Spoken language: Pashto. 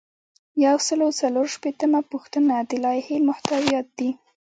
یو سل او څلور شپیتمه پوښتنه د لایحې محتویات دي.